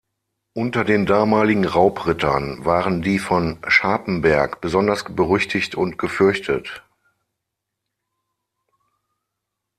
Unter den damaligen Raubrittern waren die von Scharpenberg besonders berüchtigt und gefürchtet.